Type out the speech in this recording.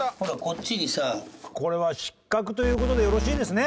これは失格という事でよろしいですね？